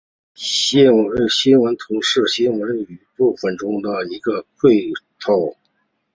新闻图式是新闻话语分析中的一个范畴。